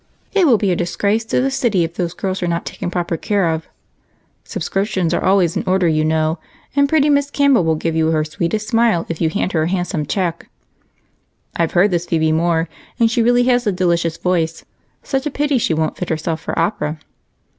"It will be a disgrace to the city if those girls are not taken proper care of." "Subscriptions are always in order, you know, and pretty Miss Campbell will give you her sweetest smile if you hand her a handsome check." "I've heard this Phebe Moore, and she really has a delicious voice such a pity she won't fit herself for opera!"